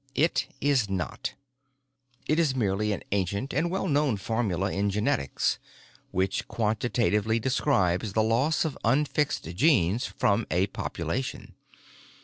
It is not. It is merely an ancient and well known formula in genetics which quantitatively describes the loss of unfixed genes from a population.